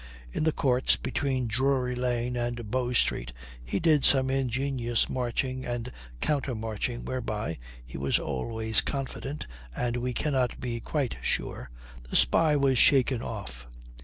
In the courts between Drury Lane and Bow Street he did some ingenious marching and counter marching whereby he was always confident and we cannot be quite sure the spy was shaken off.